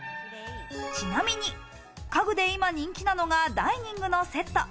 ちなみに、家具で今人気なのがダイニングのセット。